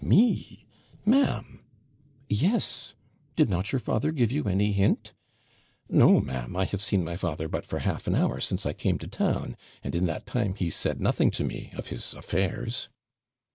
'Me! ma'am!' 'Yes! Did not your father give you any hint?' 'No, ma'am; I have seen my father but for half an hour since I came to town, and in that time he said nothing to me of his affairs.'